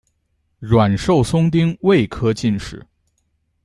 阮寿松丁未科进士。